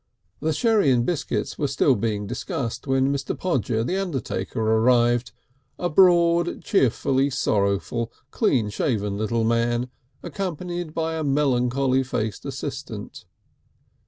The sherry and biscuits were still being discussed when Mr. Podger, the undertaker, arrived, a broad, cheerfully sorrowful, clean shaven little man, accompanied by a melancholy faced assistant.